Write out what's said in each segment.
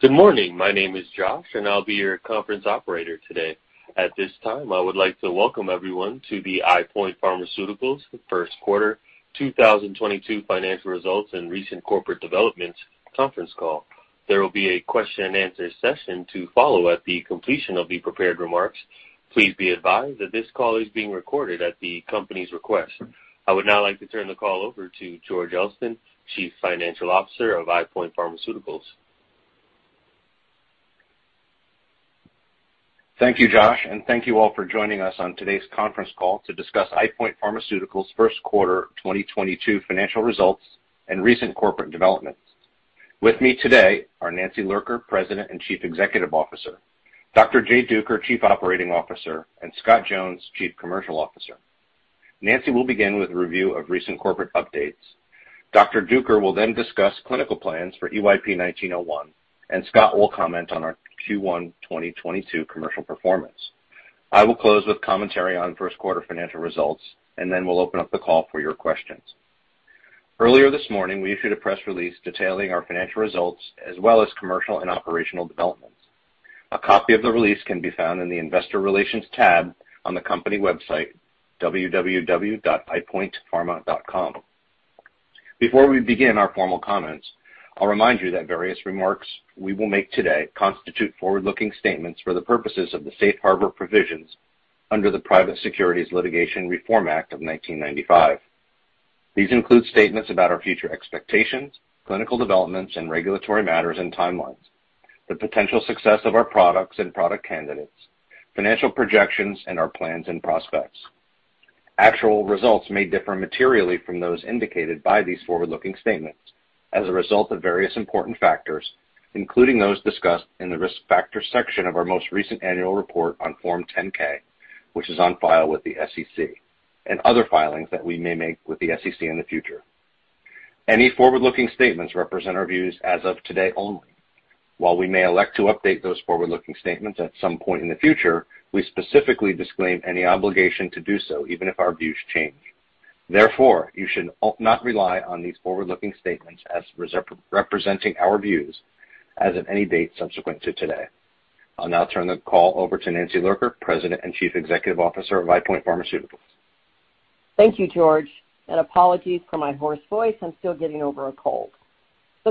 Good morning. My name is Josh, and I'll be your conference operator today. At this time, I would like to welcome everyone to the EyePoint Pharmaceuticals Q1 2022 Financial Results and Recent Corporate Developments conference call. There will be a question and answer session to follow at the completion of the prepared remarks. Please be advised that this call is being recorded at the company's request. I would now like to turn the call over to George Elston, Chief Financial Officer of EyePoint Pharmaceuticals. Thank you, Josh, and thank you all for joining us on today's conference call to discuss EyePoint Pharmaceuticals' Q1 2022 financial results and recent corporate developments. With me today are Nancy Lurker, President and Chief Executive Officer, Dr. Jay Duker, Chief Operating Officer, and Scott Jones, Chief Commercial Officer. Nancy will begin with a review of recent corporate updates. Dr. Duker will then discuss clinical plans for EYP-1901, and Scott will comment on our Q1 2022 commercial performance. I will close with commentary on Q1 financial results, and then we'll open up the call for your questions. Earlier this morning, we issued a press release detailing our financial results as well as commercial and operational developments. A copy of the release can be found in the Investor Relations tab on the company website, www.eyepointpharma.com. Before we begin our formal comments, I'll remind you that various remarks we will make today constitute forward-looking statements for the purposes of the Safe Harbor provisions under the Private Securities Litigation Reform Act of 1995. These include statements about our future expectations, clinical developments and regulatory matters and timelines, the potential success of our products and product candidates, financial projections, and our plans and prospects. Actual results may differ materially from those indicated by these forward-looking statements as a result of various important factors, including those discussed in the Risk Factors section of our most recent annual report on Form 10-K, which is on file with the SEC, and other filings that we may make with the SEC in the future. Any forward-looking statements represent our views as of today only. While we may elect to update those forward-looking statements at some point in the future, we specifically disclaim any obligation to do so, even if our views change. Therefore, you should not rely on these forward-looking statements as representing our views as of any date subsequent to today. I'll now turn the call over to Nancy Lurker, President and Chief Executive Officer of EyePoint Pharmaceuticals. Thank you, George, and apologies for my hoarse voice. I'm still getting over a cold.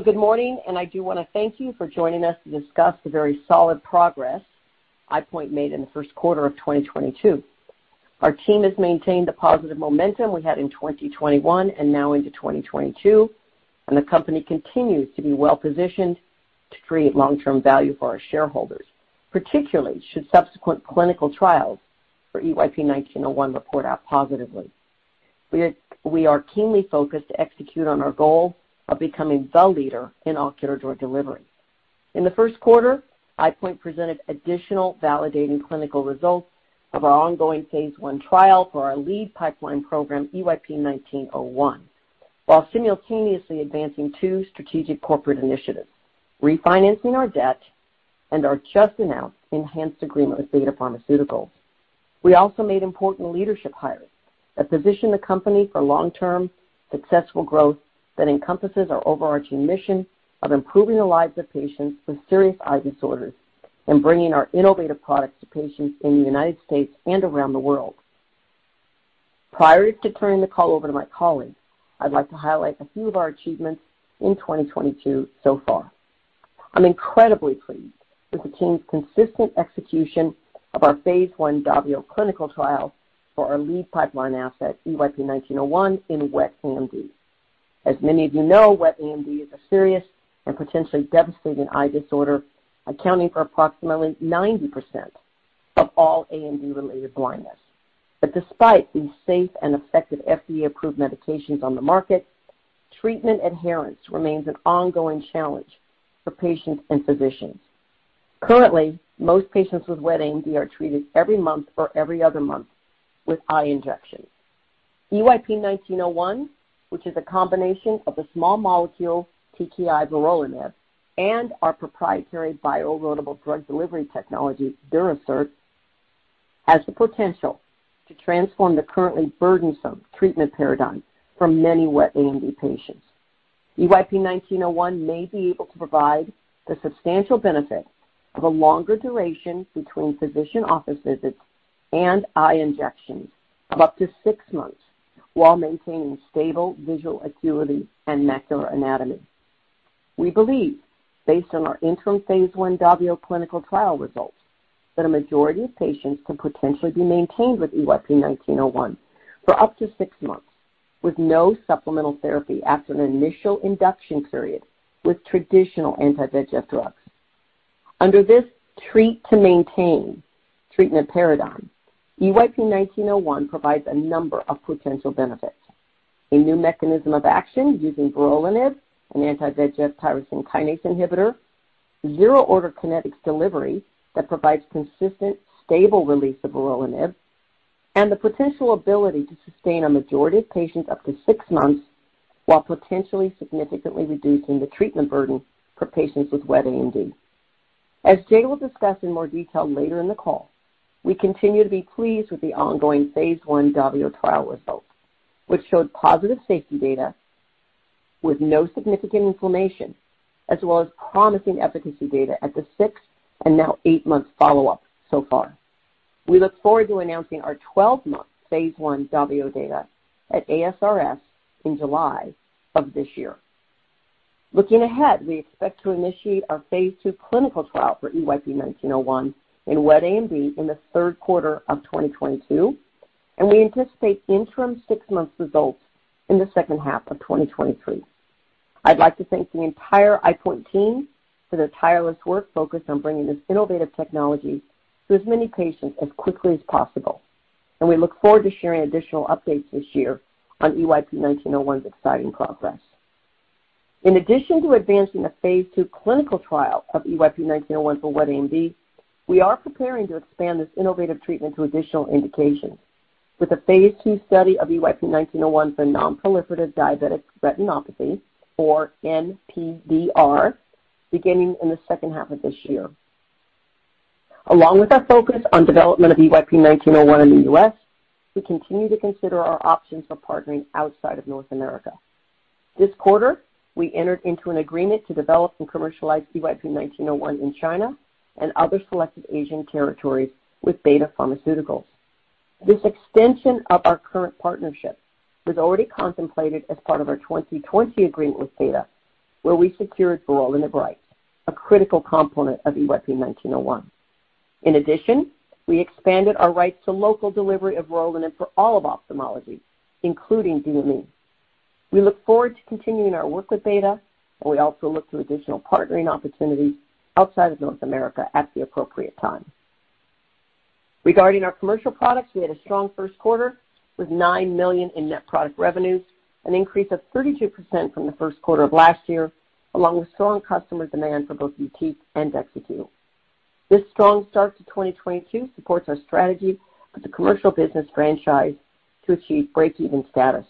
Good morning, and I do want to thank you for joining us to discuss the very solid progress EyePoint made in Q1 of 2022. Our team has maintained the positive momentum we had in 2021 and now into 2022, and the company continues to be well-positioned to create long-term value for our shareholders, particularly should subsequent clinical trials for EYP-1901 report out positively. We are keenly focused to execute on our goal of becoming the leader in ocular drug delivery. In Q1, EyePoint presented additional validating clinical results of our ongoing phase I trial for our lead pipeline program, EYP-1901, while simultaneously advancing two strategic corporate initiatives, refinancing our debt and our just-announced enhanced agreement with Betta Pharmaceuticals. We also made important leadership hires that position the company for long-term successful growth that encompasses our overarching mission of improving the lives of patients with serious eye disorders and bringing our innovative products to patients in the United States and around the world. Prior to turning the call over to my colleagues, I'd like to highlight a few of our achievements in 2022 so far. I'm incredibly pleased with the team's consistent execution of our phase I DAVIO clinical trial for our lead pipeline asset, EYP-1901, in wet AMD. As many of you know, wet AMD is a serious and potentially devastating eye disorder, accounting for approximately 90% of all AMD-related blindness. Despite these safe and effective FDA-approved medications on the market, treatment adherence remains an ongoing challenge for patients and physicians. Currently, most patients with wet AMD are treated every month or every other month with eye injections. EYP-1901, which is a combination of the small molecule TKI vorolanib and our proprietary bioerodible drug delivery technology, Durasert, has the potential to transform the currently burdensome treatment paradigm for many wet AMD patients. EYP-1901 may be able to provide the substantial benefit of a longer duration between physician office visits and eye injections of up to six months while maintaining stable visual acuity and macular anatomy. We believe, based on our interim Phase I DAVIO clinical trial results, that a majority of patients can potentially be maintained with EYP-1901 for up to six months with no supplemental therapy after an initial induction period with traditional anti-VEGF drugs. Under this treat to maintain treatment paradigm, EYP-1901 provides a number of potential benefits. A new mechanism of action using vorolanib, an anti-VEGF tyrosine kinase inhibitor, zero-order kinetics delivery that provides consistent, stable release of vorolanib, and the potential ability to sustain a majority of patients up to 6 months while potentially significantly reducing the treatment burden for patients with wet AMD. As Jay will discuss in more detail later in the call, we continue to be pleased with the ongoing phase I DAVIO trial results, which showed positive safety data with no significant inflammation, as well as promising efficacy data at the 6- and now 8-month follow-up so far. We look forward to announcing our 12-month phase I DAVIO data at ASRS in July of this year. Looking ahead, we expect to initiate our phase II clinical trial for EYP-1901 in wet AMD in Q3 of 2022, and we anticipate interim 6-month results in H2 of 2023. I'd like to thank the entire EyePoint team for their tireless work focused on bringing this innovative technology to as many patients as quickly as possible. We look forward to sharing additional updates this year on EYP-1901's exciting progress. In addition to advancing the phase two clinical trial of EYP-1901 for wet AMD, we are preparing to expand this innovative treatment to additional indications with a phase two study of EYP-1901 for non-proliferative diabetic retinopathy, or NPDR, beginning in the second half of this year. Along with our focus on development of EYP-1901 in the U.S., we continue to consider our options for partnering outside of North America. This quarter, we entered into an agreement to develop and commercialize EYP-1901 in China and other selected Asian territories with Betta Pharmaceuticals. This extension of our current partnership was already contemplated as part of our 2020 agreement with Betta, where we secured vorolanib, a critical component of EYP-1901. In addition, we expanded our rights to local delivery of vorolanib for all of ophthalmology, including DME. We look forward to continuing our work with Betta, and we also look to additional partnering opportunities outside of North America at the appropriate time. Regarding our commercial products, we had a strong Q1 with $9 million in net product revenues, an increase of 32% from Q1 of last year, along with strong customer demand for both YUTIQ and DEXYCU. This strong start to 2022 supports our strategy for the commercial business franchise to achieve breakeven status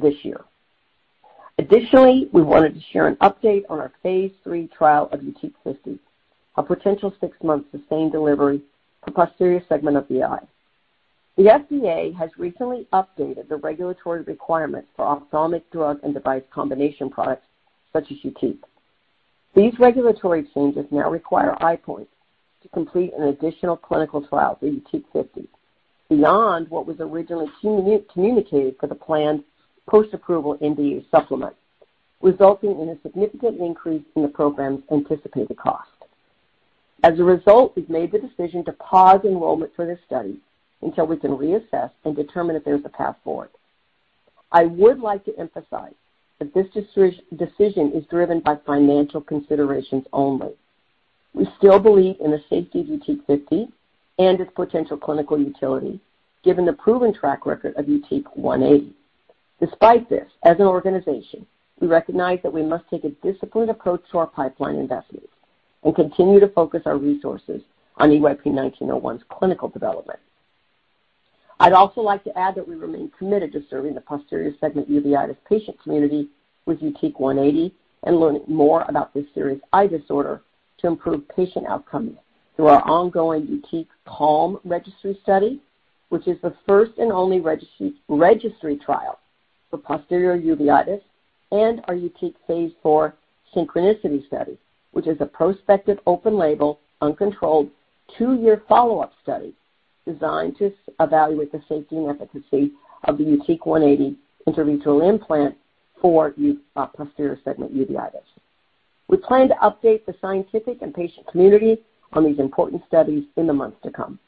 this year. Additionally, we wanted to share an update on our phase III trial of YUTIQ 50, a potential six-month sustained delivery for posterior segment of the eye. The FDA has recently updated the regulatory requirements for ophthalmic drug and device combination products such as YUTIQ. These regulatory changes now require EyePoint to complete an additional clinical trial for YUTIQ 50 beyond what was originally communicated for the planned post-approval NDA supplement, resulting in a significant increase in the program's anticipated cost. As a result, we've made the decision to pause enrollment for this study until we can reassess and determine if there's a path forward. I would like to emphasize that this decision is driven by financial considerations only. We still believe in the safety of YUTIQ 50 and its potential clinical utility, given the proven track record of YUTIQ 180. Despite this, as an organization, we recognize that we must take a disciplined approach to our pipeline investments and continue to focus our resources on EYP-1901's clinical development. I'd also like to add that we remain committed to serving the posterior segment uveitis patient community with YUTIQ 180 and learning more about this serious eye disorder to improve patient outcomes through our ongoing YUTIQ CALM registry study, which is the first and only registry trial for posterior uveitis, and our YUTIQ phase 4 SYNCHRONICITY study, which is a prospective open-label, uncontrolled, 2-year follow-up study designed to evaluate the safety and efficacy of the YUTIQ 180 intravitreal implant for posterior segment uveitis. We plan to update the scientific and patient community on these important studies in the months to come.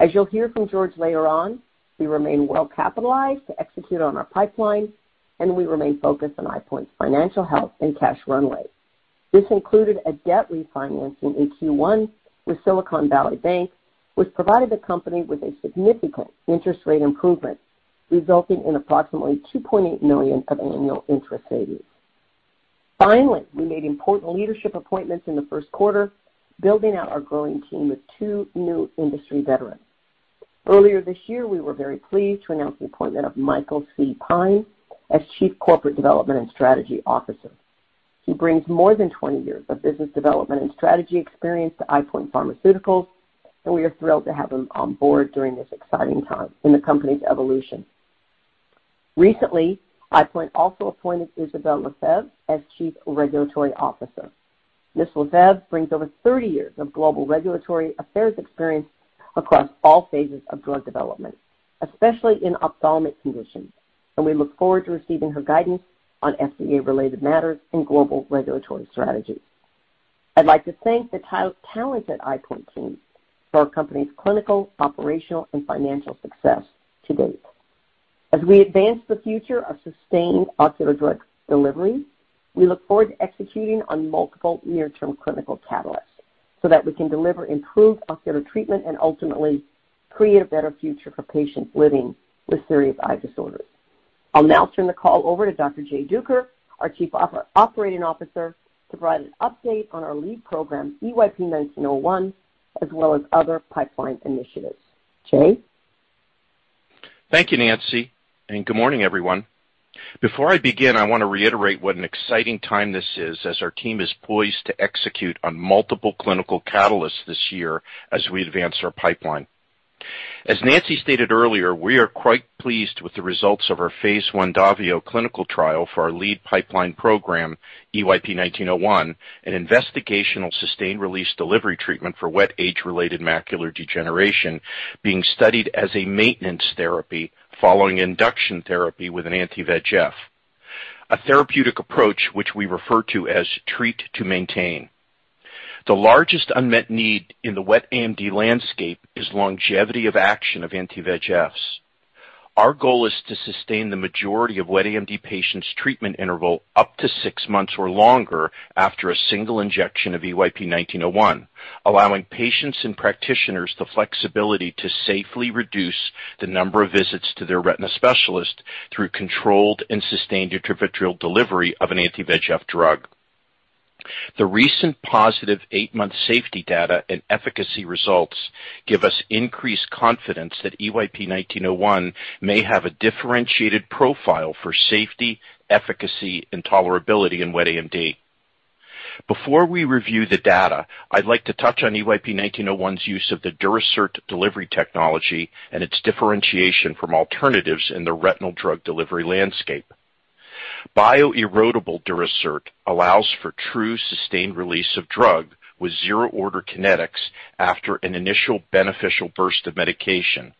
As you'll hear from George later on, we remain well-capitalized to execute on our pipeline, and we remain focused on EyePoint's financial health and cash runway. This included a debt refinancing in Q1 with Silicon Valley Bank, which provided the company with a significant interest rate improvement, resulting in approximately $2.8 million of annual interest savings. Finally, we made important leadership appointments in the first quarter, building out our growing team with 2 new industry veterans. Earlier this year, we were very pleased to announce the appointment of Michael C. Pine as Chief Corporate Development and Strategy Officer. He brings more than 20 years of business development and strategy experience to EyePoint Pharmaceuticals, and we are thrilled to have him on board during this exciting time in the company's evolution. Recently, EyePoint also appointed Isabelle Lefebvre as Chief Regulatory Officer. Ms. Lefebvre brings over thirty years of global regulatory affairs experience across all phases of drug development, especially in ophthalmic conditions, and we look forward to receiving her guidance on FDA-related matters and global regulatory strategies. I'd like to thank the talented EyePoint team for our company's clinical, operational, and financial success to date. As we advance the future of sustained ocular drug delivery, we look forward to executing on multiple near-term clinical catalysts so that we can deliver improved ocular treatment and ultimately create a better future for patients living with serious eye disorders. I'll now turn the call over to Dr. Jay Duker, our Chief Operating Officer, to provide an update on our lead program, EYP-1901, as well as other pipeline initiatives. Jay? Thank you, Nancy, and good morning, everyone. Before I begin, I want to reiterate what an exciting time this is as our team is poised to execute on multiple clinical catalysts this year as we advance our pipeline. As Nancy stated earlier, we are quite pleased with the results of our Phase I DAVIO clinical trial for our lead pipeline program, EYP-1901, an investigational sustained release delivery treatment for wet age-related macular degeneration, being studied as a maintenance therapy following induction therapy with an anti-VEGF. A therapeutic approach which we refer to as Treat to Maintain. The largest unmet need in the wet AMD landscape is longevity of action of anti-VEGFs. Our goal is to sustain the majority of wet AMD patients' treatment interval up to six months or longer after a single injection of EYP-1901, allowing patients and practitioners the flexibility to safely reduce the number of visits to their retina specialist through controlled and sustained intravitreal delivery of an anti-VEGF drug. The recent positive eight-month safety data and efficacy results give us increased confidence that EYP-1901 may have a differentiated profile for safety, efficacy and tolerability in wet AMD. Before we review the data, I'd like to touch on EYP-1901's use of the Durasert delivery technology and its differentiation from alternatives in the retinal drug delivery landscape. bio-erodible Durasert allows for true sustained release of drug with zero-order kinetics after an initial beneficial burst of medication.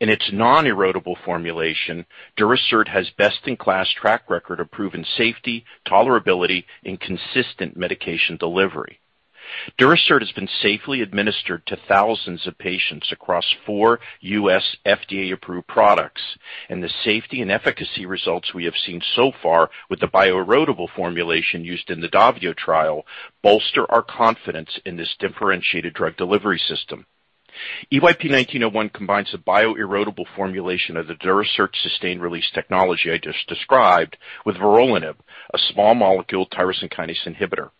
In its non-erodible formulation, Durasert has best in class track record of proven safety, tolerability, and consistent medication delivery. Durasert has been safely administered to thousands of patients across four U.S. FDA-approved products, and the safety and efficacy results we have seen so far with the bio-erodible formulation used in the DAVIO trial bolster our confidence in this differentiated drug delivery system. EYP-1901 combines a bio-erodible formulation of the Durasert sustained release technology I just described with vorolanib, a small molecule tyrosine kinase inhibitor.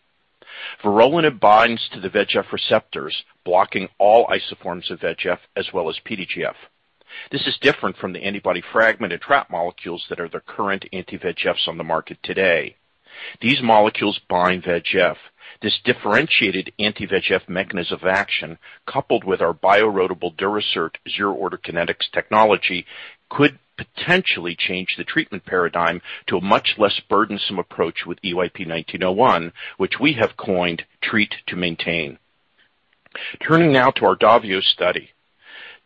Vorolanib binds to the VEGF receptors, blocking all isoforms of VEGF as well as PDGF. This is different from the antibody fragment and trap molecules that are the current anti-VEGFs on the market today. These molecules bind VEGF. This differentiated anti-VEGF mechanism of action, coupled with our bio-erodible Durasert zero-order kinetics technology, could potentially change the treatment paradigm to a much less burdensome approach with EYP-1901, which we have coined Treat to Maintain. Turning now to our DAVIO study.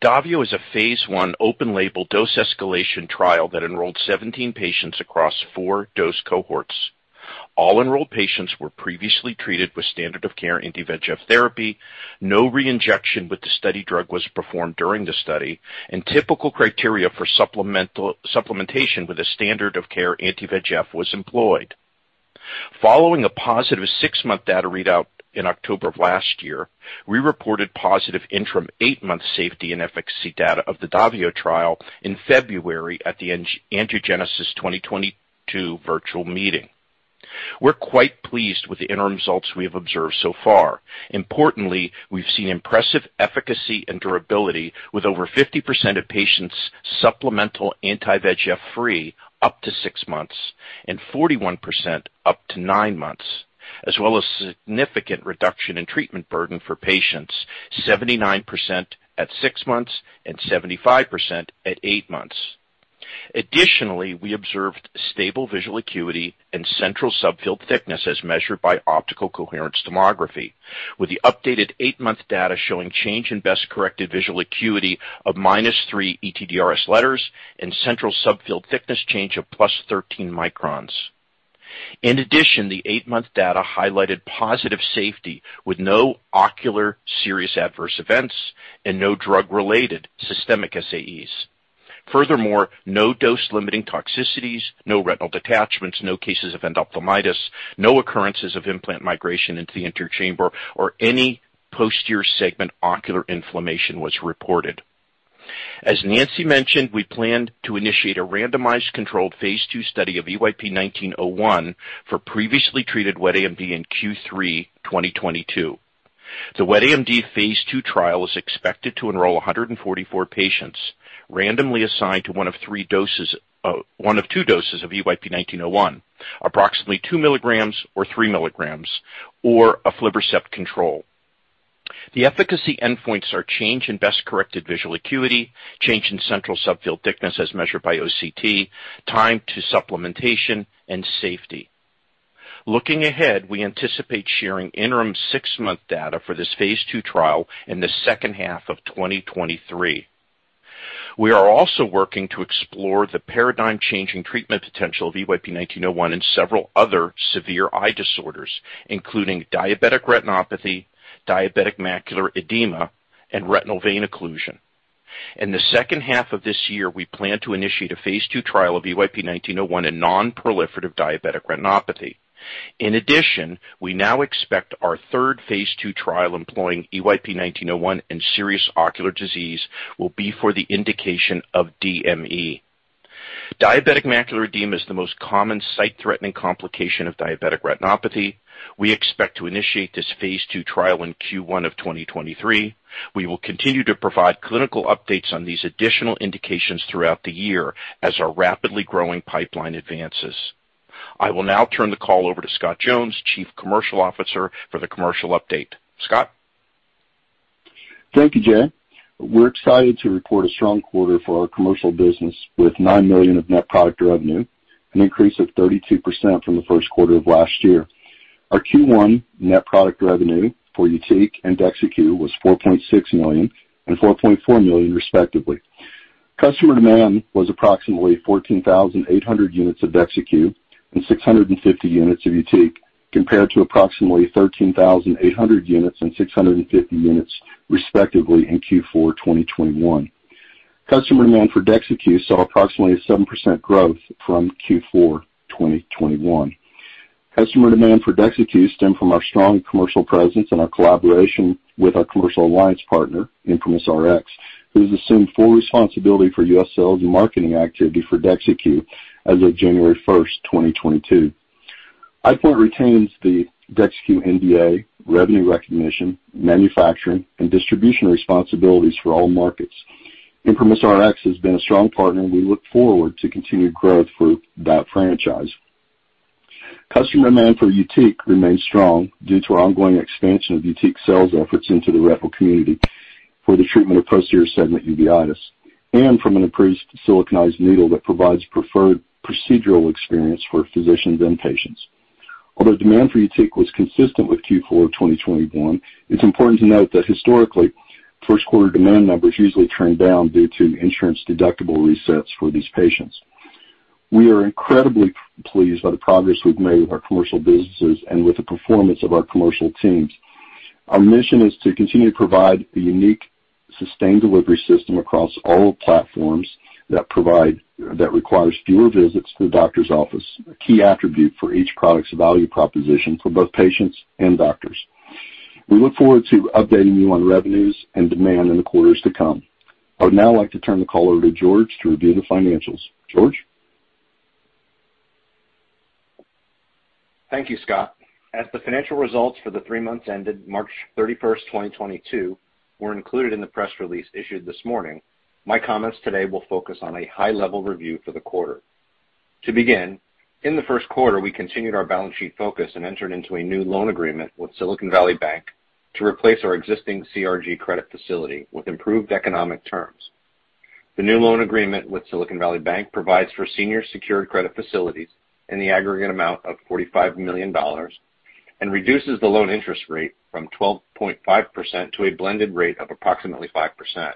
DAVIO is a phase I open-label dose escalation trial that enrolled 17 patients across 4 dose cohorts. All enrolled patients were previously treated with standard of care anti-VEGF therapy. No re-injection with the study drug was performed during the study, and typical criteria for supplementation with a standard of care anti-VEGF was employed. Following a positive 6-month data readout in October of last year, we reported positive interim 8-month safety and efficacy data of the DAVIO trial in February at the Angiogenesis, Exudation, and Degeneration 2022 virtual meeting. We're quite pleased with the interim results we have observed so far. Importantly, we've seen impressive efficacy and durability with over 50% of patients supplemental anti-VEGF-free up to 6 months and 41% up to 9 months, as well as significant reduction in treatment burden for patients 79% at 6 months and 75% at 8 months. Additionally, we observed stable visual acuity and central subfield thickness as measured by optical coherence tomography, with the updated 8-month data showing change in best corrected visual acuity of -3 ETDRS letters and central subfield thickness change of +13 microns. In addition, the 8-month data highlighted positive safety with no ocular serious adverse events and no drug-related systemic SAEs. Furthermore, no dose-limiting toxicities, no retinal detachments, no cases of endophthalmitis, no occurrences of implant migration into the anterior chamber or any posterior segment ocular inflammation was reported. As Nancy mentioned, we plan to initiate a randomized controlled phase II study of EYP-1901 for previously treated wet AMD in Q3 2022. The wet AMD phase II trial is expected to enroll 144 patients randomly assigned to one of two doses of EYP-1901, approximately 2 milligrams or 3 milligrams, or aflibercept control. The efficacy endpoints are change in best corrected visual acuity, change in central subfield thickness as measured by OCT, time to supplementation, and safety. Looking ahead, we anticipate sharing interim 6-month data for this phase II trial in H2 of 2023. We are also working to explore the paradigm-changing treatment potential of EYP-1901 in several other severe eye disorders, including diabetic retinopathy, diabetic macular edema, and retinal vein occlusion. In H2 of this year, we plan to initiate a phase II trial of EYP-1901 in non-proliferative diabetic retinopathy. In addition, we now expect our third phase II trial employing EYP-1901 in serious ocular disease will be for the indication of DME. Diabetic macular edema is the most common sight-threatening complication of diabetic retinopathy. We expect to initiate this phase II trial in Q1 of 2023. We will continue to provide clinical updates on these additional indications throughout the year as our rapidly growing pipeline advances. I will now turn the call over to Scott Jones, Chief Commercial Officer, for the commercial update. Scott? Thank you, Jay. We're excited to report a strong quarter for our commercial business with $9 million of net product revenue, an increase of 32% from Q1 of last year. Our Q1 net product revenue for YUTIQ and DEXYCU was $4.6 million and $4.4 million, respectively. Customer demand was approximately 14,800 units of DEXYCU and 650 units of YUTIQ, compared to approximately 13,800 units and 650 units, respectively, in Q4 2021. Customer demand for DEXYCU saw approximately a 7% growth from Q4 2021. Customer demand for DEXYCU stemmed from our strong commercial presence and our collaboration with our commercial alliance partner, ImprimisRx, who has assumed full responsibility for U.S. sales and marketing activity for DEXYCU as of January 1, 2022. EyePoint retains the DEXYCU NDA, revenue recognition, manufacturing, and distribution responsibilities for all markets. ImprimisRx has been a strong partner, and we look forward to continued growth for that franchise. Customer demand for YUTIQ remains strong due to our ongoing expansion of YUTIQ sales efforts into the retina community for the treatment of posterior segment uveitis and from an increased siliconized needle that provides preferred procedural experience for physicians and patients. Although demand for YUTIQ was consistent with Q4 2021, it's important to note that historically, Q1 demand numbers usually turn down due to insurance deductible resets for these patients. We are incredibly pleased by the progress we've made with our commercial businesses and with the performance of our commercial teams. Our mission is to continue to provide a unique sustained delivery system across all platforms that requires fewer visits to the doctor's office, a key attribute for each product's value proposition for both patients and doctors. We look forward to updating you on revenues and demand in the quarters to come. I would now like to turn the call over to George to review the financials. George? Thank you, Scott. As the financial results for the three months ended March 31, 2022 were included in the press release issued this morning, my comments today will focus on a high-level review for the quarter. To begin, in Q1, we continued our balance sheet focus and entered into a new loan agreement with Silicon Valley Bank to replace our existing CRG credit facility with improved economic terms. The new loan agreement with Silicon Valley Bank provides for senior secured credit facilities in the aggregate amount of $45 million and reduces the loan interest rate from 12.5% to a blended rate of approximately 5%,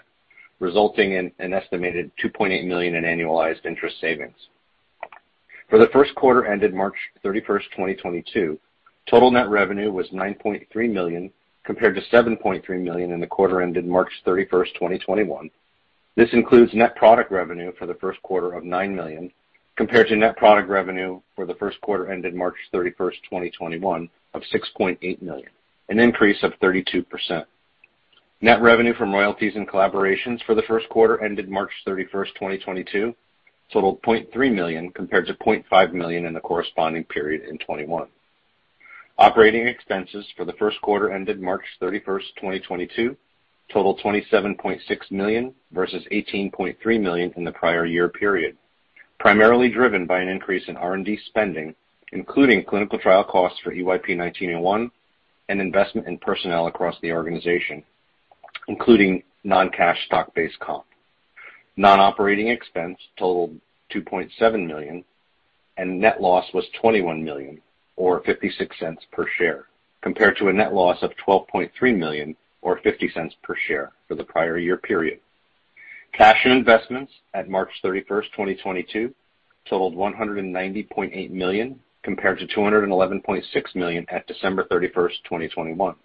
resulting in an estimated $2.8 million in annualized interest savings. For Q1 ended March 31, 2022, total net revenue was $9.3 million, compared to $7.3 million in the quarter ended March 31, 2021. This includes net product revenue for Q1 of $9 million, compared to net product revenue for Q1 ended March 31, 2021 of $6.8 million, an increase of 32%. Net revenue from royalties and collaborations for Q1 ended March 31, 2022 totaled $0.3 million compared to $0.5 million in the corresponding period in 2021. Operating expenses for Q1 ended March 31, 2022 totaled $27.6 million versus $18.3 million in the prior year period, primarily driven by an increase in R&D spending, including clinical trial costs for EYP-1901 and investment in personnel across the organization, including non-cash stock-based comp. Non-operating expense totaled $2.7 million, and net loss was $21 million or $0.56 per share, compared to a net loss of $12.3 million or $0.50 per share for the prior year period. Cash and investments at March 31, 2022 totaled $190.8 million compared to $211.6 million at December 31, 2021.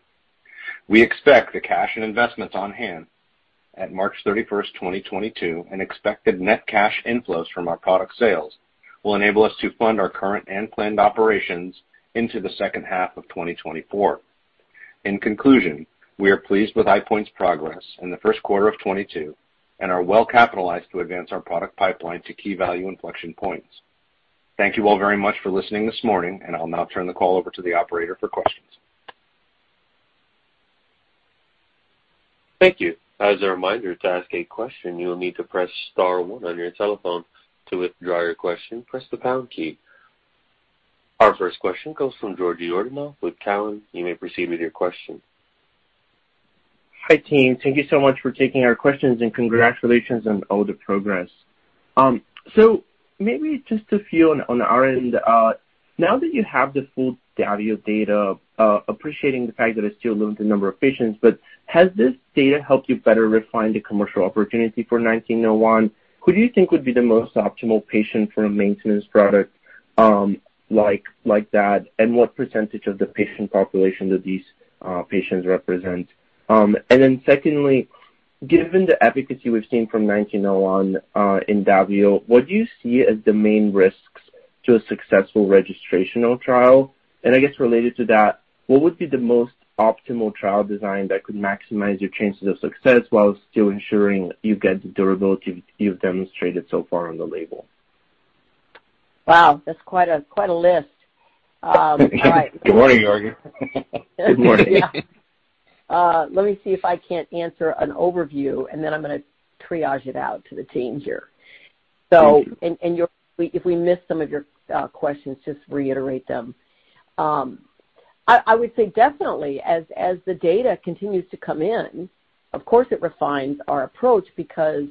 We expect the cash and investments on hand at March 31, 2022, and expected net cash inflows from our product sales will enable us to fund our current and planned operations into H2 of 2024. In conclusion, we are pleased with EyePoint's progress in Q1 of 2022 and are well-capitalized to advance our product pipeline to key value inflection points. Thank you all very much for listening this morning, and I'll now turn the call over to the operator for questions. Thank you. As a reminder, to ask a question, you will need to press star one on your telephone. To withdraw your question, press the pound key. Our first question comes from Georgi Yordanov with Cowen. You may proceed with your question. Hi, team. Thank you so much for taking our questions, and congratulations on all the progress. Maybe just a few on our end. Now that you have the full DAVIO data, appreciating the fact that it's still a limited number of patients, but has this data helped you better refine the commercial opportunity for 1901? Who do you think would be the most optimal patient for a maintenance product, like that? What percentage of the patient population do these patients represent? Secondly, given the efficacy we've seen from 1901 in DAVIO, what do you see as the main risks? To a successful registrational trial. I guess related to that, what would be the most optimal trial design that could maximize your chances of success while still ensuring you get the durability you've demonstrated so far on the label? Wow, that's quite a list. All right. Good morning, Georgi. Good morning. Yeah. Let me see if I can't answer an overview, and then I'm gonna triage it out to the team here. Thank you. If we miss some of your questions, just reiterate them. I would say definitely as the data continues to come in, of course, it refines our approach because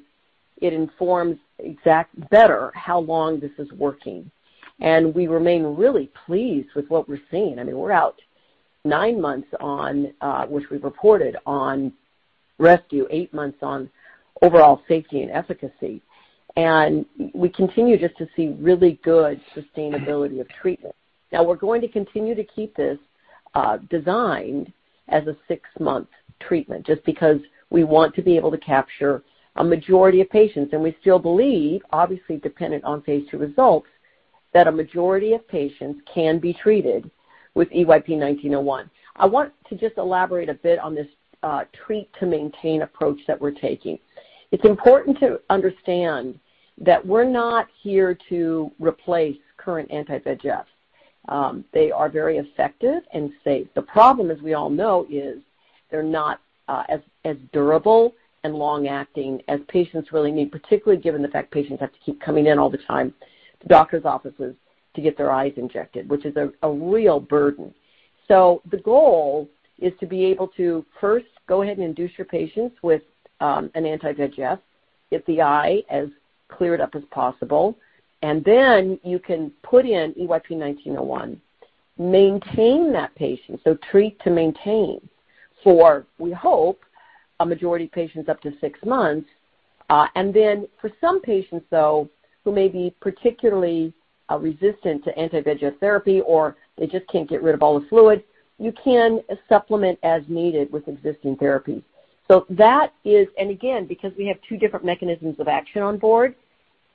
it informs exact better how long this is working. We remain really pleased with what we're seeing. I mean, we're out 9 months on, which we've reported on rescue, 8 months on overall safety and efficacy. We continue just to see really good sustainability of treatment. Now we're going to continue to keep this designed as a 6-month treatment just because we want to be able to capture a majority of patients. We still believe, obviously dependent on phase II results, that a majority of patients can be treated with EYP-1901. I want to just elaborate a bit on this treat to maintain approach that we're taking. It's important to understand that we're not here to replace current anti-VEGF. They are very effective and safe. The problem, as we all know, is they're not as durable and long-acting as patients really need, particularly given the fact patients have to keep coming in all the time to doctor's offices to get their eyes injected, which is a real burden. The goal is to be able to first go ahead and induce your patients with an anti-VEGF, get the eye as cleared up as possible, and then you can put in EYP-1901. Maintain that patient, so Treat to Maintain for, we hope, a majority of patients up to six months. For some patients, though, who may be particularly resistant to anti-VEGF therapy or they just can't get rid of all the fluid, you can supplement as needed with existing therapy. Again, because we have two different mechanisms of action on board,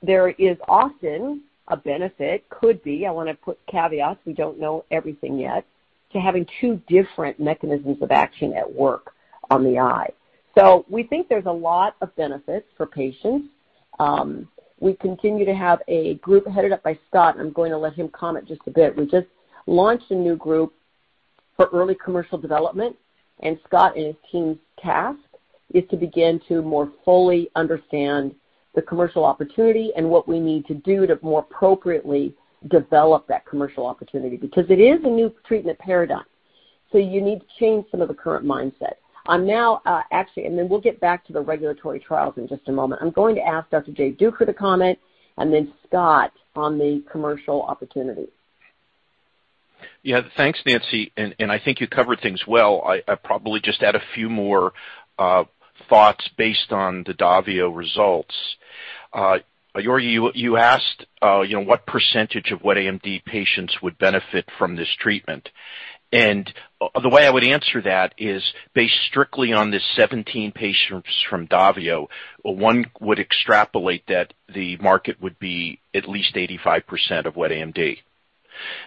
there is often a benefit, could be, I wanna put caveats, we don't know everything yet, to having two different mechanisms of action at work on the eye. We think there's a lot of benefits for patients. We continue to have a group headed up by Scott, and I'm going to let him comment just a bit. We just launched a new group for early commercial development, and Scott and his team's task is to begin to more fully understand the commercial opportunity and what we need to do to more appropriately develop that commercial opportunity. Because it is a new treatment paradigm, so you need to change some of the current mindset. I'm now actually. We'll get back to the regulatory trials in just a moment. I'm going to ask Dr. Jay Duker to comment and then Scott on the commercial opportunity. Yeah. Thanks, Nancy. I think you covered things well. I probably just add a few more thoughts based on the DAVIO results. Georgi Yordanov, you asked, you know, what percentage of wet AMD patients would benefit from this treatment. The way I would answer that is based strictly on the 17 patients from DAVIO, one would extrapolate that the market would be at least 85% of wet AMD.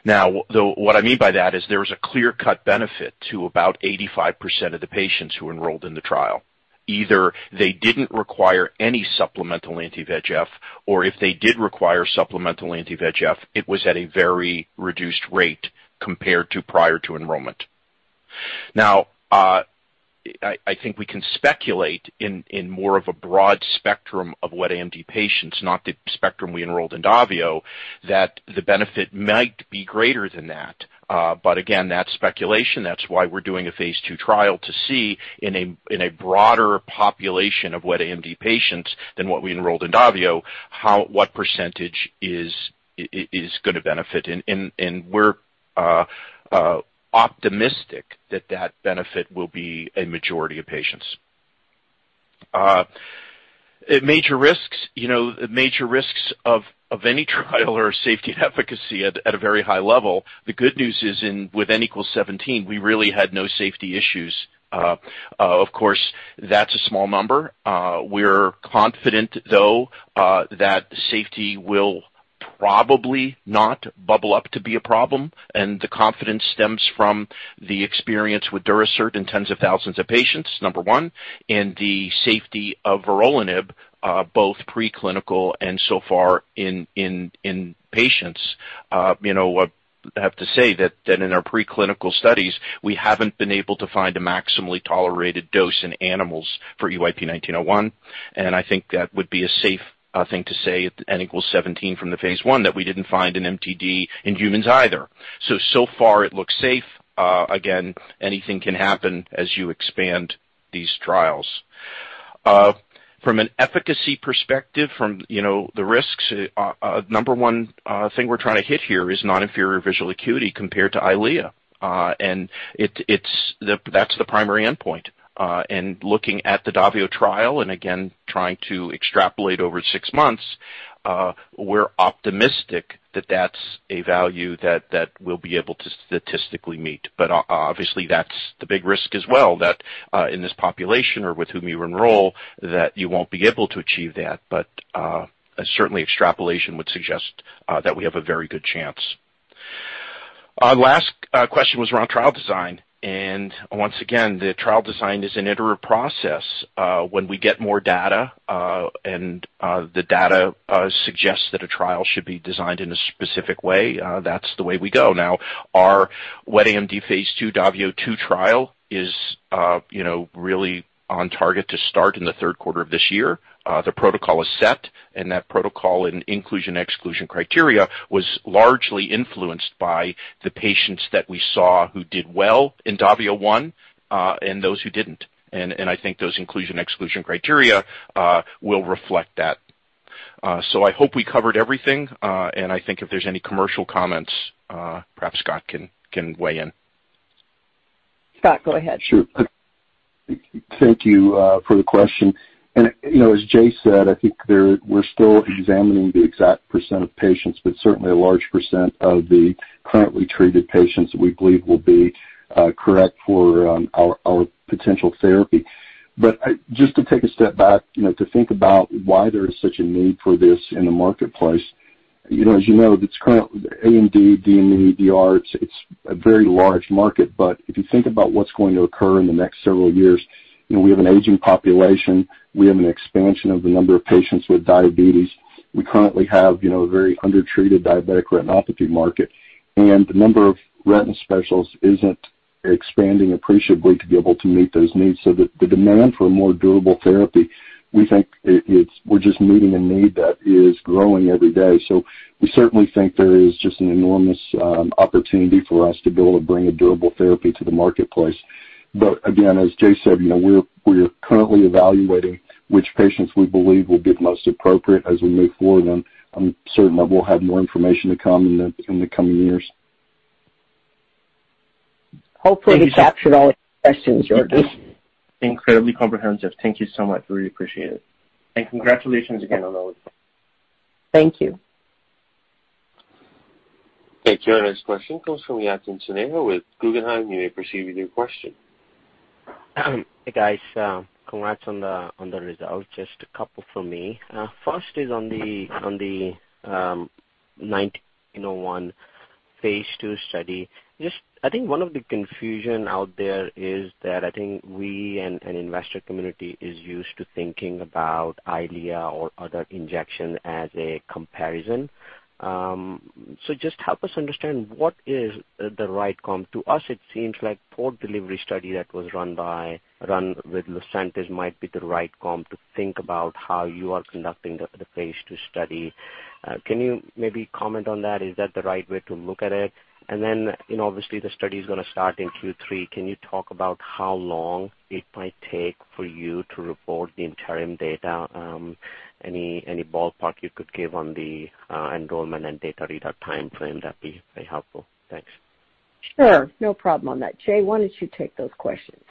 Now, though, what I mean by that is there was a clear-cut benefit to about 85% of the patients who enrolled in the trial. Either they didn't require any supplemental anti-VEGF, or if they did require supplemental anti-VEGF, it was at a very reduced rate compared to prior to enrollment. Now, I think we can speculate in more of a broad spectrum of wet AMD patients, not the spectrum we enrolled in DAVIO, that the benefit might be greater than that. Again, that's speculation. That's why we're doing a phase II trial to see in a broader population of wet AMD patients than what we enrolled in DAVIO, what percentage is gonna benefit. We're optimistic that that benefit will be a majority of patients. Major risks. You know, major risks of any trial are safety and efficacy at a very high level. The good news is with N equals 17, we really had no safety issues. Of course, that's a small number. We're confident, though, that safety will probably not bubble up to be a problem, and the confidence stems from the experience with Durasert in tens of thousands of patients, number one, and the safety of vorolanib, both preclinical and so far in patients. You know, I have to say that in our preclinical studies, we haven't been able to find a maximally tolerated dose in animals for EYP-1901, and I think that would be a safe thing to say at N=17 from the phase I, that we didn't find an MTD in humans either. So far it looks safe. Again, anything can happen as you expand these trials. From an efficacy perspective, you know, the risks, number one thing we're trying to hit here is non-inferior visual acuity compared to EYLEA. It's the primary endpoint. Looking at the DAVIO trial, and again, trying to extrapolate over six months, we're optimistic that that's a value that we'll be able to statistically meet. But obviously, that's the big risk as well, that in this population or with whom you enroll, that you won't be able to achieve that. But certainly extrapolation would suggest that we have a very good chance. Our last question was around trial design. Once again, the trial design is an iterative process. When we get more data, and the data suggests that a trial should be designed in a specific way, that's the way we go. Now, our wet AMD phase II DAVIO 2 trial is, you know, really on target to start in Q3 of this year. The protocol is set, and that protocol and inclusion, exclusion criteria was largely influenced by the patients that we saw who did well in DAVIO 1, and those who didn't. I think those inclusion, exclusion criteria will reflect that. I hope we covered everything. I think if there's any commercial comments, perhaps Scott can weigh in. Scott, go ahead. Sure. Thank you for the question. You know, as Jay said, I think we're still examining the exact percent of patients, but certainly a large percent of the currently treated patients we believe will be correct for our potential therapy. Just to take a step back, you know, to think about why there is such a need for this in the marketplace. You know, as you know, it's wet AMD, DME, DR. It's a very large market. If you think about what's going to occur in the next several years, you know, we have an aging population. We have an expansion of the number of patients with diabetes. We currently have, you know, a very undertreated diabetic retinopathy market, and the number of retina specialists isn't expanding appreciably to be able to meet those needs. The demand for a more durable therapy, we think we're just meeting a need that is growing every day. We certainly think there is just an enormous opportunity for us to be able to bring a durable therapy to the marketplace. Again, as Jay said, you know, we're currently evaluating which patients we believe will be most appropriate as we move forward. I'm certain that we'll have more information to come in the coming years. Hopefully we captured all the questions, Georgi. Incredibly comprehensive. Thank you so much. Really appreciate it. Congratulations again on all of this. Thank you. Thank you. Our next question comes from Yatin Suneja with Guggenheim. You may proceed with your question. Hey, guys, congrats on the results. Just a couple from me. First is on the EYP-1901 phase II study. Just I think one of the confusion out there is that I think we and investor community is used to thinking about EYLEA or other injection as a comparison. So just help us understand what is the right comp. To us, it seems like Port Delivery System that was run with Lucentis might be the right comp to think about how you are conducting the phase II study. Can you maybe comment on that? Is that the right way to look at it? Then obviously the study is gonna start in Q3. Can you talk about how long it might take for you to report the interim data? Any ballpark you could give on the enrollment and data readout timeframe? That'd be very helpful. Thanks. Sure. No problem on that. Jay, why don't you take those questions?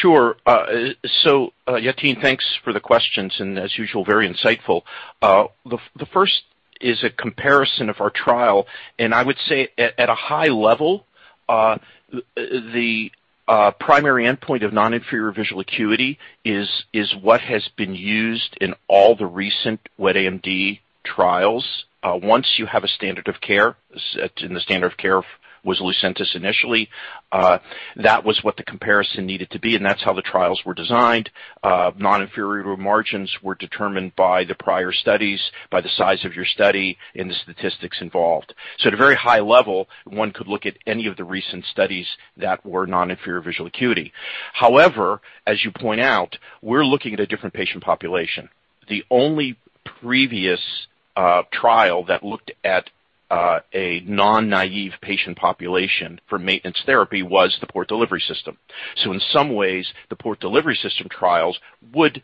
Sure. Yatin, thanks for the questions, and as usual, very insightful. The first is a comparison of our trial, and I would say at a high level, the primary endpoint of non-inferior visual acuity is what has been used in all the recent wet AMD trials. Once you have a standard of care, and the standard of care was Lucentis initially, that was what the comparison needed to be, and that's how the trials were designed. Non-inferior margins were determined by the prior studies, by the size of your study and the statistics involved. At a very high level, one could look at any of the recent studies that were non-inferior visual acuity. However, as you point out, we're looking at a different patient population. The only previous trial that looked at a non-naive patient population for maintenance therapy was the Port Delivery System. In some ways, the Port Delivery System trials would,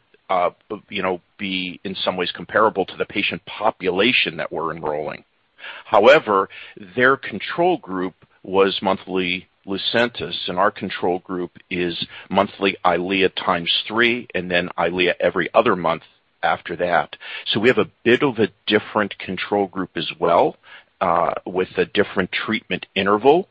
you know, be in some ways comparable to the patient population that we're enrolling. However, their control group was monthly Lucentis, and our control group is monthly EYLEA times three, and then EYLEA every other month after that. We have a bit of a different control group as well with a different treatment interval.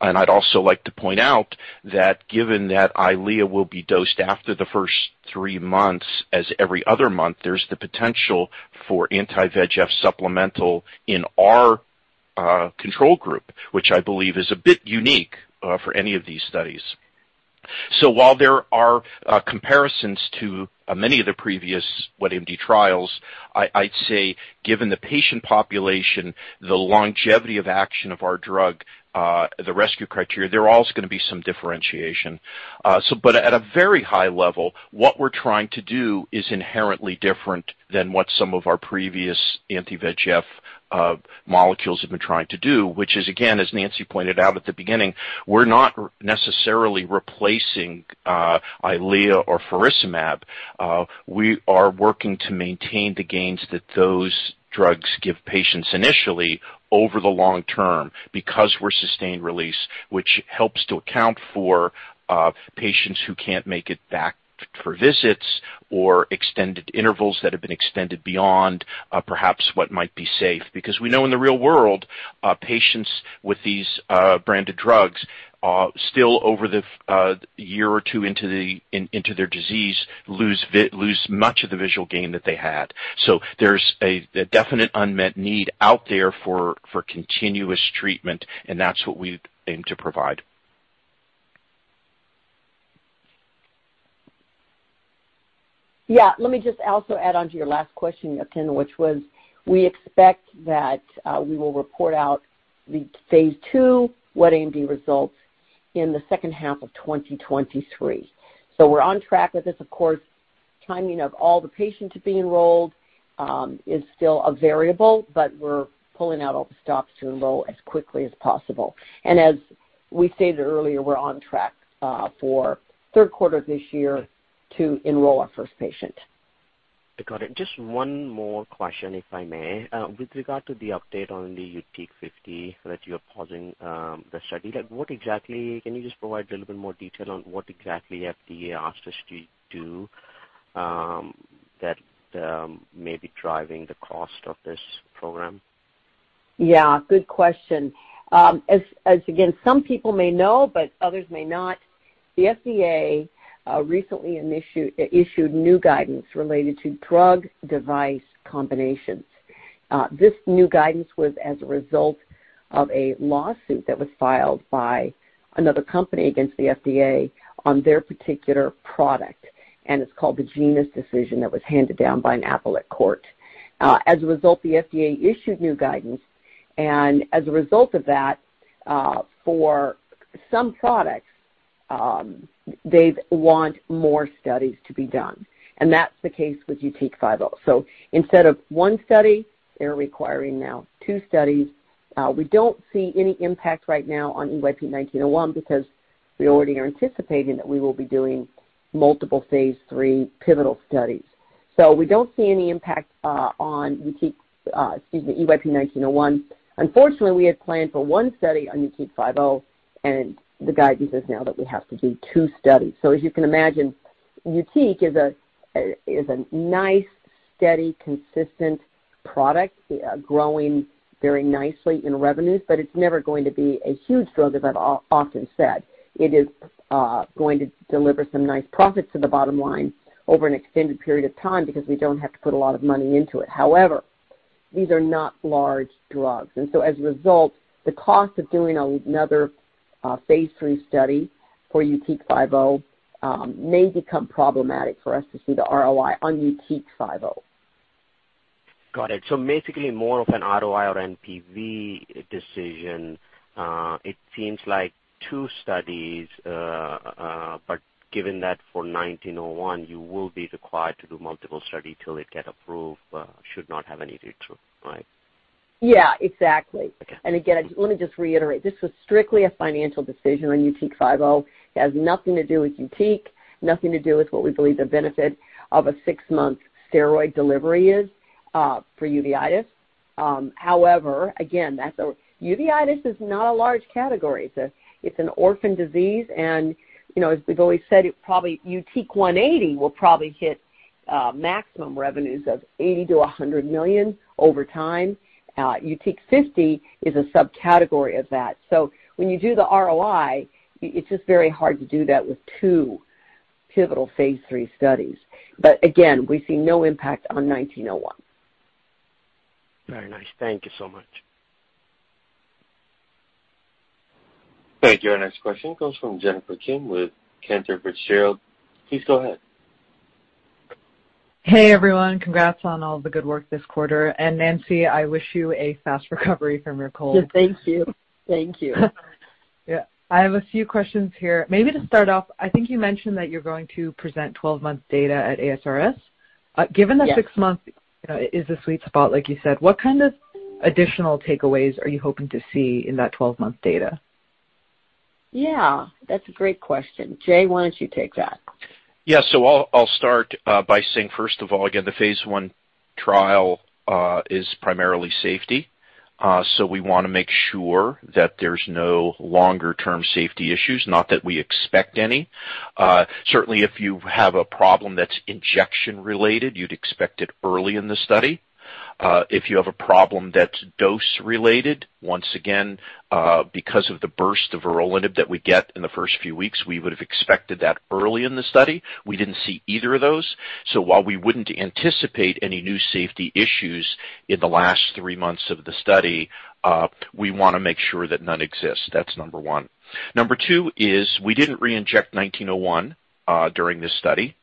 I'd also like to point out that given that EYLEA will be dosed after the first three months as every other month, there's the potential for anti-VEGF supplemental in our control group, which I believe is a bit unique for any of these studies. While there are comparisons to many of the previous wet AMD trials, I'd say given the patient population, the longevity of action of our drug, the rescue criteria, there are always gonna be some differentiation. At a very high level, what we're trying to do is inherently different than what some of our previous anti-VEGF molecules have been trying to do, which is, again, as Nancy pointed out at the beginning, we're not necessarily replacing EYLEA or Faricimab. We are working to maintain the gains that those drugs give patients initially over the long term because we're sustained release, which helps to account for patients who can't make it back for visits or extended intervals that have been extended beyond perhaps what might be safe. Because we know in the real world, patients with these branded drugs still over the year or two into their disease lose much of the visual gain that they had. There's a definite unmet need out there for continuous treatment, and that's what we aim to provide. Yeah. Let me just also add on to your last question, Yatin, which was we expect that we will report out the phase II wet AMD results in H2 of 2023. We're on track with this. Of course, timing of all the patients to be enrolled is still a variable, but we're pulling out all the stops to enroll as quickly as possible. As we stated earlier, we're on track for Q3 of this year to enroll our first patient. Got it. Just one more question, if I may. With regard to the update on the YUTIQ 50 that you're pausing the study, like what exactly can you just provide a little bit more detail on what exactly FDA asked us to do that may be driving the cost of this program? Yeah, good question. As again, some people may know, but others may not, the FDA recently issued new guidance related to drug device combinations. This new guidance was as a result of a lawsuit that was filed by another company against the FDA on their particular product, and it's called the Janus decision that was handed down by an appellate court. As a result, the FDA issued new guidance, and as a result of that, for some products, they want more studies to be done. That's the case with YUTIQ 50. Instead of one study, they're requiring now two studies. We don't see any impact right now on EYP-1901 because we already are anticipating that we will be doing multiple phase III pivotal studies. We don't see any impact on YUTIQ -- excuse me, EYP-1901. Unfortunately, we had planned for 1 study on YUTIQ 50, and the guidance is now that we have to do 2 studies. As you can imagine, YUTIQ is a nice, steady, consistent product, growing very nicely in revenues, but it's never going to be a huge drug, as I've often said. It is going to deliver some nice profits to the bottom line over an extended period of time because we don't have to put a lot of money into it. However, these are not large drugs. As a result, the cost of doing another phase III study for YUTIQ 50 may become problematic for us to see the ROI on YUTIQ 50. Got it. Basically more of an ROI or NPV decision. It seems like two studies, but given that for EYP-1901, you will be required to do multiple study till it get approved, should not have any downside, right? Yeah, exactly. Okay. Again, let me just reiterate, this was strictly a financial decision on YUTIQ 50. It has nothing to do with YUTIQ, nothing to do with what we believe the benefit of a six-month steroid delivery is, for uveitis. However, again, uveitis is not a large category. It's an orphan disease. You know, as we've always said, YUTIQ 180 will probably hit maximum revenues of $80 million-$100 million over time. YUTIQ 50 is a subcategory of that. So when you do the ROI, it's just very hard to do that with two pivotal phase III studies. Again, we see no impact on EYP-1901. Very nice. Thank you so much. Thank you. Our next question comes from Jennifer Kim with Cantor Fitzgerald. Please go ahead. Hey, everyone. Congrats on all the good work this quarter. Nancy, I wish you a fast recovery from your cold. Thank you. Thank you. Yeah. I have a few questions here. Maybe to start off, I think you mentioned that you're going to present 12-month data at ASRS. Yes. Given the 6-month is the sweet spot, like you said, what kind of additional takeaways are you hoping to see in that 12-month data? Yeah, that's a great question. Jay, why don't you take that? Yeah. I'll start by saying, first of all, again, the phase I trial is primarily safety. We wanna make sure that there's no longer term safety issues, not that we expect any. Certainly if you have a problem that's injection related, you'd expect it early in the study. If you have a problem that's dose related, once again, because of the burst of vorolanib that we get in the first few weeks, we would have expected that early in the study. We didn't see either of those. While we wouldn't anticipate any new safety issues in the last three months of the study, we wanna make sure that none exist. That's number 1. Number 2 is we didn't reinject 1901 during this study.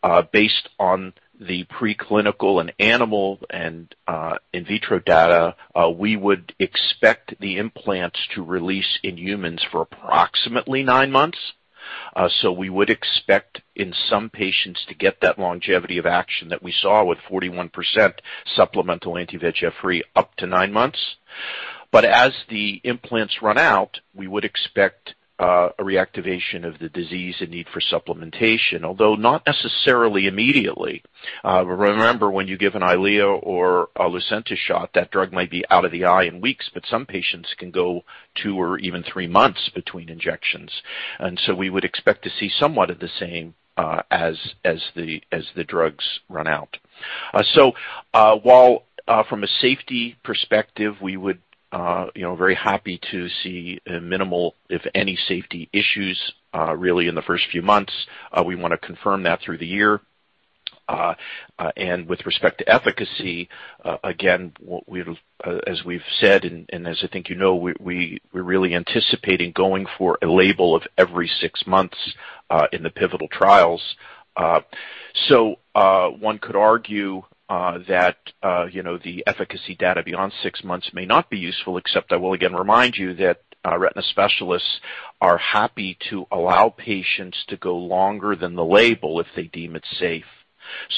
Based on the preclinical and animal and in vitro data, we would expect the implants to release in humans for approximately nine months. We would expect in some patients to get that longevity of action that we saw with 41% supplemental anti-VEGF-free up to nine months. But as the implants run out, we would expect a reactivation of the disease and need for supplementation, although not necessarily immediately. Remember, when you give an EYLEA or a Lucentis shot, that drug might be out of the eye in weeks, but some patients can go two or even three months between injections. We would expect to see somewhat of the same as the drugs run out. While from a safety perspective, we would you know very happy to see minimal, if any safety issues, really in the first few months. We wanna confirm that through the year. With respect to efficacy, again, as we've said, as I think you know, we're really anticipating going for a label of every six months in the pivotal trials. One could argue that you know the efficacy data beyond six months may not be useful, except I will again remind you that retina specialists are happy to allow patients to go longer than the label if they deem it safe.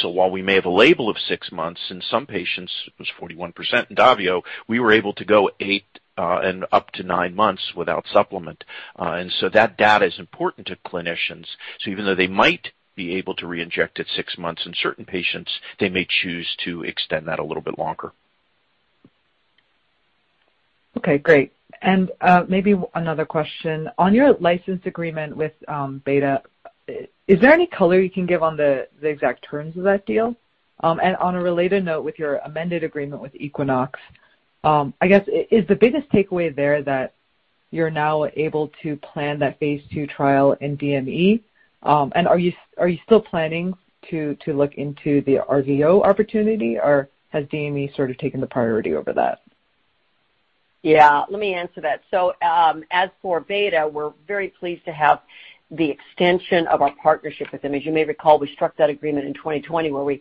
While we may have a label of 6 months, in some patients, it was 41% in DAVIO, we were able to go 8, and up to 9 months without supplement. That data is important to clinicians. Even though they might be able to reinject at 6 months in certain patients, they may choose to extend that a little bit longer. Okay, great. Maybe another question. On your license agreement with Betta, is there any color you can give on the exact terms of that deal? And on a related note with your amended agreement with Equinox, I guess, is the biggest takeaway there that you're now able to plan that phase II trial in DME? And are you still planning to look into the RVO opportunity, or has DME sort of taken the priority over that? Yeah, let me answer that. As for Betta, we're very pleased to have the extension of our partnership with them. As you may recall, we struck that agreement in 2020 where we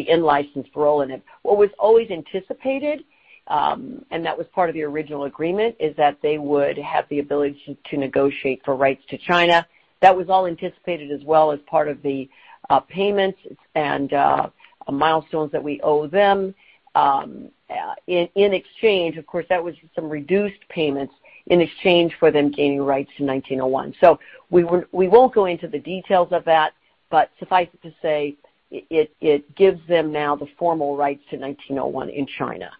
in-licensed vorolanib. What was always anticipated, and that was part of the original agreement, is that they would have the ability to negotiate for rights to China. That was all anticipated as well as part of the payments and milestones that we owe them. In exchange, of course, that was some reduced payments in exchange for them gaining rights to EYP-1901. We won't go into the details of that, but suffice it to say, it gives them now the formal rights to EYP-1901 in China.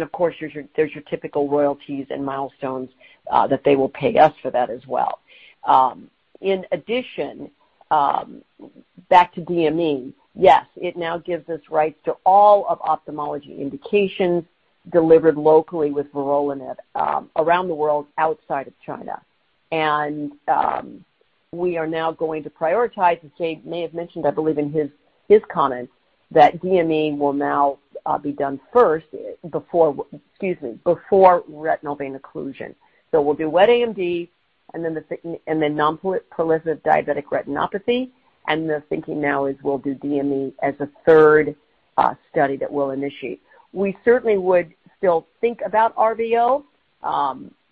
Of course, there's your typical royalties and milestones that they will pay us for that as well. In addition, back to DME. Yes, it now gives us rights to all of ophthalmology indications delivered locally with vorolanib, around the world outside of China. We are now going to prioritize, as Jake may have mentioned, I believe in his comments, that DME will now be done first before retinal vein occlusion. We'll do wet AMD and then non-proliferative diabetic retinopathy, and the thinking now is we'll do DME as a third study that we'll initiate. We certainly would still think about RVO.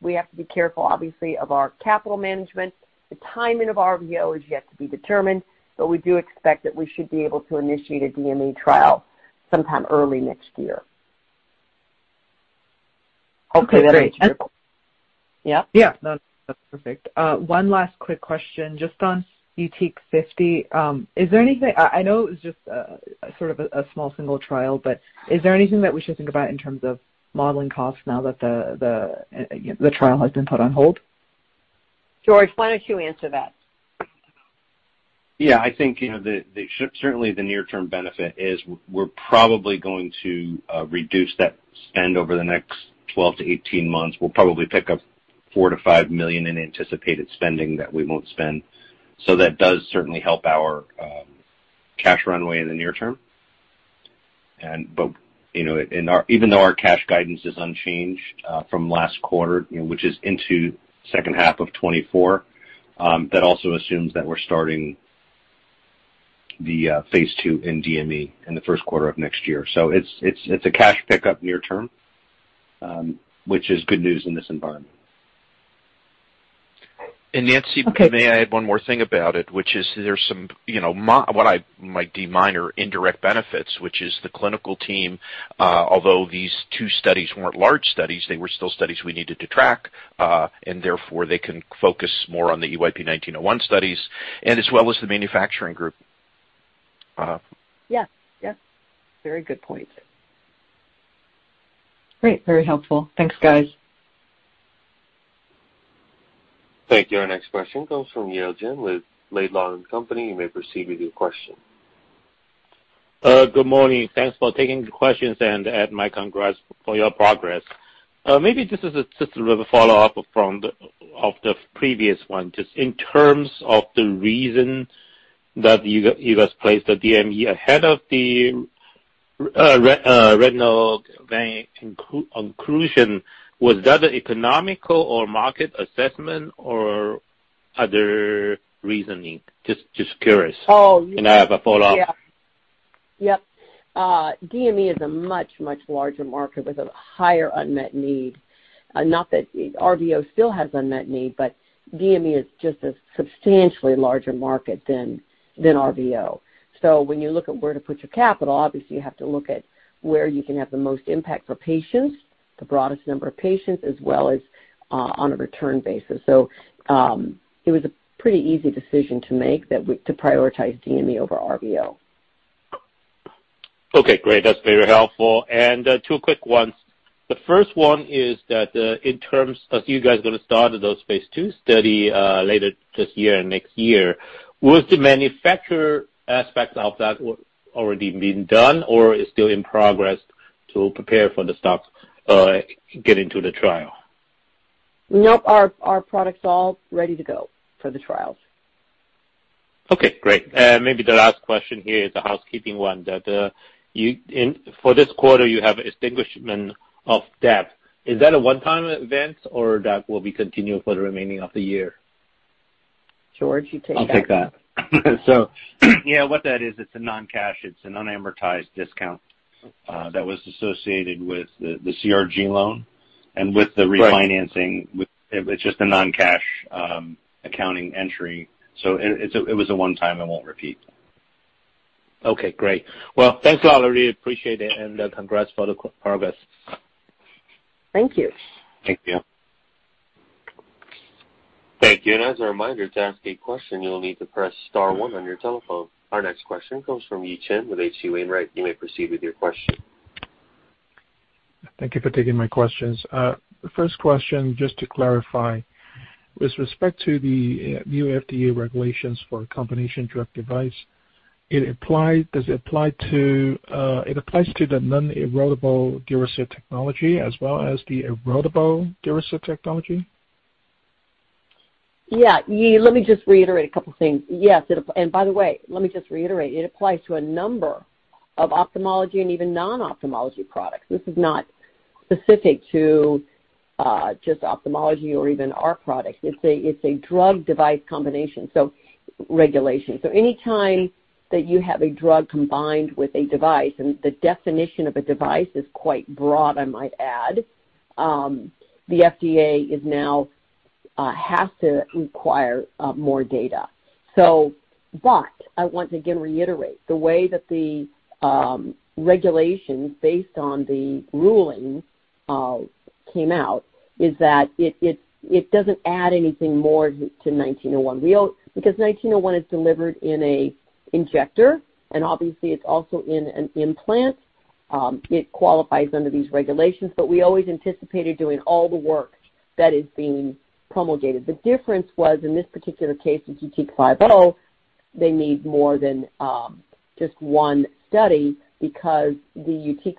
We have to be careful obviously of our capital management. The timing of RVO is yet to be determined, but we do expect that we should be able to initiate a DME trial sometime early next year. Okay, great. Yeah? Yeah. No, that's perfect. One last quick question, just on YUTIQ 50. Is there anything. I know it was just sort of a small single trial, but is there anything that we should think about in terms of modeling costs now that the trial has been put on hold? George, why don't you answer that? Yeah. I think, you know, certainly the near-term benefit is we're probably going to reduce that spend over the next 12-18 months. We'll probably pick up $4 million-$5 million in anticipated spending that we won't spend. That does certainly help our cash runway in the near term. Even though our cash guidance is unchanged from last quarter, you know, which is into H2 of 2024, that also assumes that we're starting the phase II in DME in the first quarter of next year. It's a cash pickup near term, which is good news in this environment. Nancy. Okay. May I add one more thing about it, which is there's some, you know, what I might deem minor indirect benefits, which is the clinical team, although these two studies weren't large studies, they were still studies we needed to track, and therefore, they can focus more on the EYP-1901 studies and as well as the manufacturing group. Yeah. Yeah. Very good point. Great. Very helpful. Thanks, guys. Thank you. Our next question comes from Yale Jen with Ladenburg Thalmann & Co. You may proceed with your question. Good morning. Thanks for taking the questions, and add my congrats for your progress. Maybe this is just a little follow-up from the previous one. Just in terms of the reason that you guys placed the DME ahead of the retinal vein occlusion, was that economic or market assessment or other reasoning? Just curious. Oh. I have a follow-up. DME is a much, much larger market with a higher unmet need. Not that RVO still has unmet need, but DME is just a substantially larger market than RVO. When you look at where to put your capital, obviously you have to look at where you can have the most impact for patients, the broadest number of patients, as well as on a return basis. It was a pretty easy decision to prioritize DME over RVO. Okay, great. That's very helpful. Two quick ones. The first one is that, in terms of you guys gonna start those phase II study later this year and next year, was the manufacturing aspect of that already been done or is still in progress to prepare for the stock getting to the trial? Nope. Our product's already to go for the trials. Okay, great. Maybe the last question here is a housekeeping one that, for this quarter, you have extinguishment of debt. Is that a one-time event, or that will be continued for the remaining of the year? George, you take that. I'll take that. Yeah, what that is, it's a non-cash non-amortized discount that was associated with the CRG loan and with the- Right. It was just a non-cash accounting entry. It's a one-time and won't repeat. Okay, great. Well, thank you all. I really appreciate it, and congrats for the progress. Thank you. Thank you. Thank you. As a reminder, to ask a question, you'll need to press star one on your telephone. Our next question comes from Yi Chen with H.C. Wainwright. You may proceed with your question. Thank you for taking my questions. First question, just to clarify, with respect to the new FDA regulations for a combination drug device, does it apply to the non-erodible Durasert technology as well as the erodible Durasert technology? Yeah. Yi Chen, let me just reiterate a couple things. Yes, it. By the way, let me just reiterate, it applies to a number of ophthalmology and even non-ophthalmology products. This is not specific to just ophthalmology or even our products. It's a drug device combination, so regulation. Any time that you have a drug combined with a device, and the definition of a device is quite broad, I might add, the FDA is now has to acquire more data. But I want to again reiterate, the way that the regulations based on the ruling came out is that it doesn't add anything more to EYP-1901. Because 1901 is delivered in an injector and obviously it's also in an implant, it qualifies under these regulations, but we always anticipated doing all the work that is being promulgated. The difference was, in this particular case with YUTIQ 50, they need more than just one study because the YUTIQ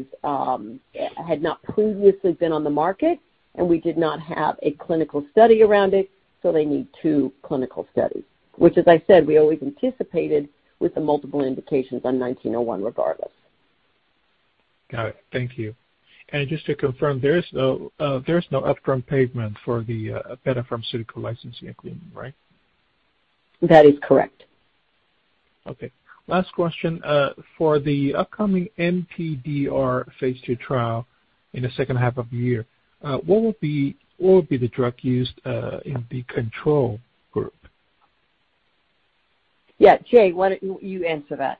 50 had not previously been on the market, and we did not have a clinical study around it, so they need two clinical studies. Which, as I said, we always anticipated with the multiple indications on 1901 regardless. Got it. Thank you. Just to confirm, there is no upfront payment for the Betta Pharmaceuticals licensing agreement, right? That is correct. Okay. Last question. For the upcoming NPDR phase II trial in H2 of the year, what would be the drug used in the control group? Yeah, Jay, why don't you answer that?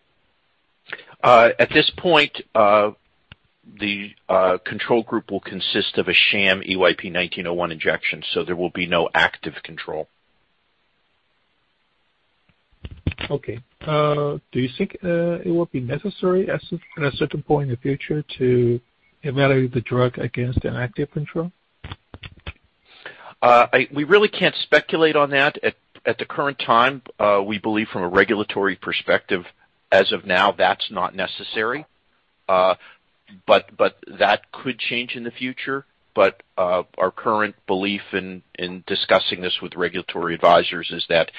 At this point, the control group will consist of a sham EYP-1901 injection, so there will be no active control. Okay. Do you think it will be necessary at a certain point in the future to evaluate the drug against an active control? We really can't speculate on that at the current time. We believe from a regulatory perspective as of now, that's not necessary. That could change in the future. Our current belief in discussing this with regulatory advisors is that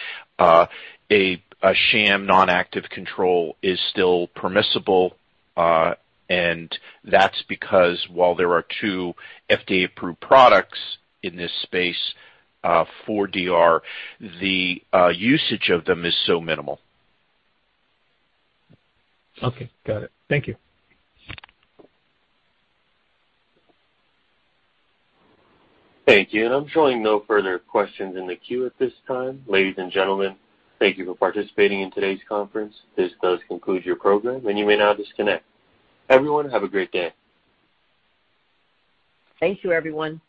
a sham non-active control is still permissible, and that's because while there are two FDA-approved products in this space for DR, usage of them is so minimal. Okay, got it. Thank you. Thank you. I'm showing no further questions in the queue at this time. Ladies and gentlemen, thank you for participating in today's conference. This does conclude your program, and you may now disconnect. Everyone, have a great day. Thank you, everyone.